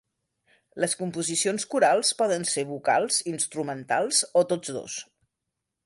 Les composicions corals poden ser vocals, instrumentals o tots dos.